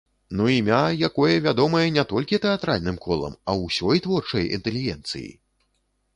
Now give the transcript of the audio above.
Ну імя, якое вядомае не толькі тэатральным колам, а ўсёй творчай інтэлігенцыі!